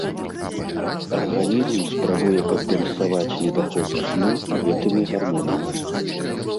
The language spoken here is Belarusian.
Арганізм спрабуе кампенсаваць недахоп сну гэтымі гармонамі.